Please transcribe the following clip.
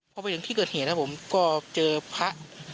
พอไปถึงที่เกิดเหตุนะผมก็เจอพระ